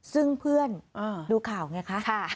ซึ่งเพื่อนดูข่าวไงคะ